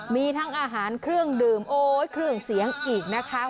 มีทั้งอาหารเครื่องดื่มโอ๊ยเครื่องเสียงอีกนะคะ